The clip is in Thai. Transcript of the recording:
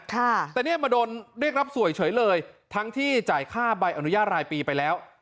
แต่เนี่ยมาโดนเรียกรับสวยเฉยเลยทั้งที่จ่ายค่าใบอนุญาตรายปีไปแล้ว